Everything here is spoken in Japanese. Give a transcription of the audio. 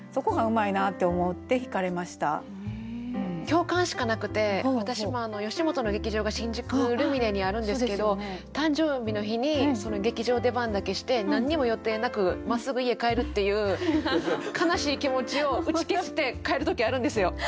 共感しかなくて私も吉本の劇場が新宿ルミネにあるんですけど誕生日の日にその劇場出番だけして何にも予定なくまっすぐ家帰るっていう悲しい気持ちを打ち消して帰る時あるんですよ。